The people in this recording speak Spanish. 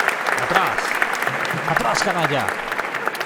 ¡ atrás!... ¡ atrás, canalla !